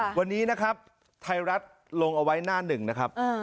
วันนี้นะครับไทยรัฐลงเอาไว้หน้าหนึ่งนะครับ